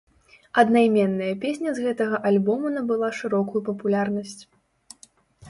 Аднайменная песня з гэтага альбому набыла шырокую папулярнасць.